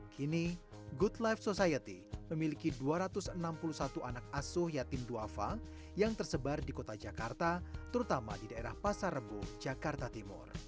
kini good life society memiliki dua ratus enam puluh satu anak asuh yatim duafa yang tersebar di kota jakarta terutama di daerah pasar rebu jakarta timur